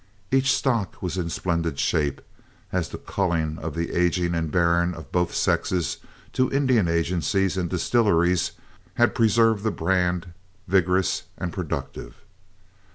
Each stock was in splendid shape, as the culling of the aging and barren of both sexes to Indian agencies and distilleries had preserved the brand vigorous and productive.